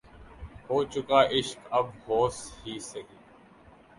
ہو چکا عشق اب ہوس ہی سہی